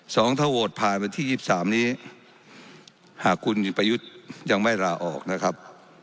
สองถ้าโหวตผ่านไปที่ยี่สิบสามนี้หากคุณไปยุทธ์ยังไม่ราออกนะครับ